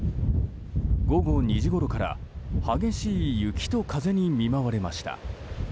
午後２時ごろから激しい雪と風に見舞われました。